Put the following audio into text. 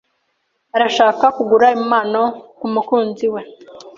Arashaka kugura impano kumukunzi we.